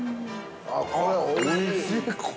あ、これおいしい。